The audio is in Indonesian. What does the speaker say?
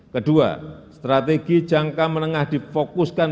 kedua strategi jangka menengah difokuskan